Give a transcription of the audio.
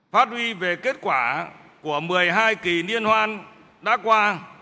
phát huy về kết quả của một mươi hai kỳ liên hoan đã qua